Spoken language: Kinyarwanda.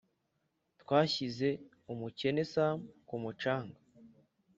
twashyize umukene sam ku mucanga